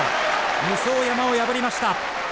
武双山を破りました。